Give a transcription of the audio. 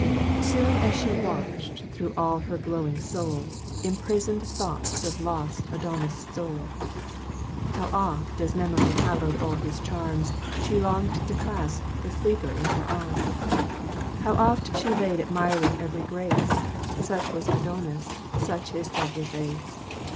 Soon as she watched, through all her glowing soul, Imprisoned thoughts of lost Adonis stole. How oft, as memory hallowed all his charms, She longed to clasp the sleeper in her arms! How oft she laid admiring every grace, "Such was Adonis! such his lovely face!"